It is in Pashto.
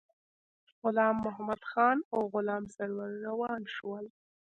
غلام محمدخان او غلام سرور روان شول.